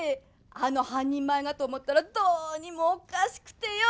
あの半人前がと思ったらどうにもおかしくてよ。